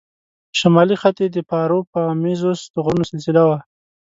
شمالي خط یې د پاروپامیزوس د غرونو سلسله وه.